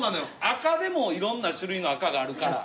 赤でもいろんな種類の赤があるから。